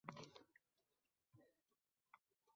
harakat qilmoq har kim bajara oladigan ish emas.